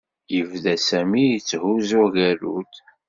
Yebda Sami yetthuzzu agerrud.